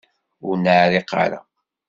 Ur neεriq ara.